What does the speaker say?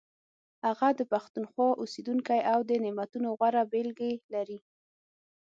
هغه د پښتونخوا اوسیدونکی او د نعتونو غوره بېلګې لري.